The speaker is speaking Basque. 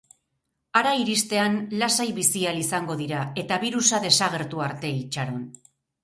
Hara iristean lasai bizi ahal izango dira eta birusa desagertu arte itxaron.